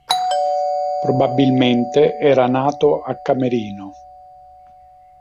Probabilmente era nato a Camerino.